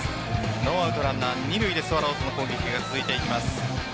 ノーアウトランナー二塁でスワローズの攻撃が続いていきます。